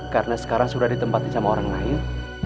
karena sekarang sudah di tempatin sama orang lain